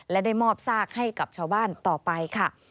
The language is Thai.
และได้มอบซากให้กับชาวบ้านต่อไปค่ะ